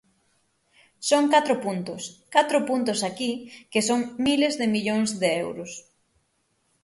Son catro puntos, catro puntos aquí, que son miles de millóns de euros.